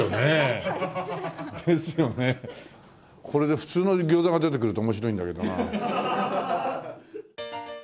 これで普通の餃子が出てくると面白いんだけどな。